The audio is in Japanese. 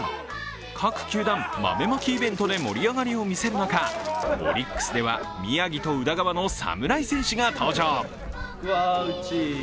各球団、豆まきイベントで盛り上がりを見せる中、オリックスでは宮城と宇田川の侍戦士が登場。